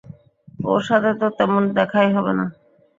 ওর সাথে তো তেমন দেখাই হবেনা।